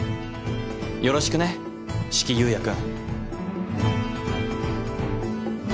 よろしくね四鬼夕也君。